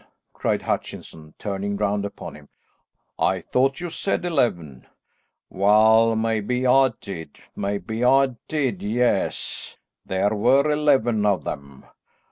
cried Hutchinson, turning round upon him. "I thought you said eleven." "Well, maybe I did, maybe I did; yes, there were eleven of them.